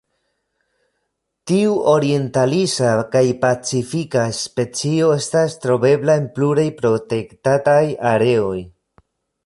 Tiu orientalisa kaj pacifika specio estas trovebla en pluraj protektataj areoj.